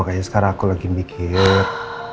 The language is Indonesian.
makanya sekarang aku lagi mikir